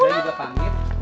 udah udah udah pangit